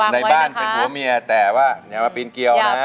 ในบ้านเป็นผัวเมียแต่ว่าอย่ามาปีนเกียวนะ